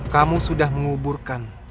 kamu sudah menguburkan